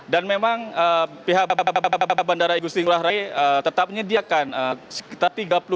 dan memang pihak bandara igusti ngurah rai tetap menyediakan sekitar tiga puluh delapan lima ratus empat puluh delapan